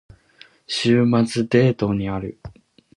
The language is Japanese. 週末にデートをする。